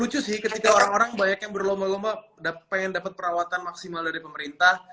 lucu sih ketika orang orang banyak yang berlomba lomba pengen dapat perawatan maksimal dari pemerintah